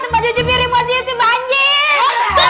tempat cuci piring posisi banjir